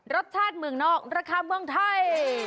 รสชาติเมืองนอกราคาเมืองไทย